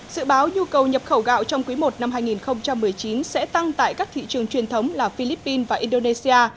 dự báo nhu cầu nhập khẩu gạo trong quý i năm hai nghìn một mươi chín sẽ tăng tại các thị trường truyền thống là philippines và indonesia